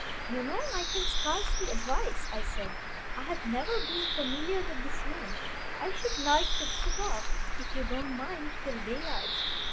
"You know I can scarcely advise," I said; "I have never been familiar with this room. I should like to put off, if you don't mind, till daylight."